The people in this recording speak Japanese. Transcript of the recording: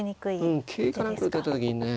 うん桂か何か打たれた時にね。